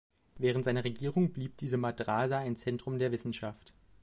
Während seiner Regierung blieb diese Madrasa ein Zentrum der Wissenschaft.